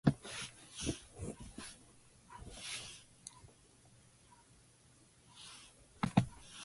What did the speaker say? Bag, north of the General Post Office.